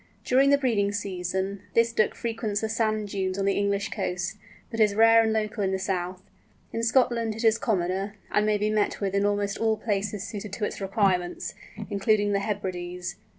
During the breeding season, this Duck frequents the sand dunes on the English coast, but is rare and local in the south; in Scotland it is commoner, and may be met with in almost all places suited to its requirements, including the Hebrides.